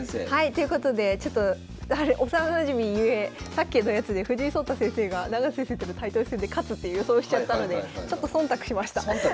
ということでちょっと幼なじみゆえさっきのやつで藤井聡太先生が永瀬先生とのタイトル戦で勝つって予想しちゃったのでちょっと忖度しました。